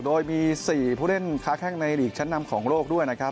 โดยมี๔ผู้เล่นค้าแข้งในหลีกชั้นนำของโลกด้วยนะครับ